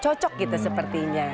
cocok gitu sepertinya